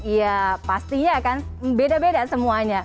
ya pastinya kan beda beda semuanya